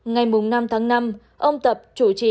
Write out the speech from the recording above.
ngày năm tháng năm ông tập chủ trì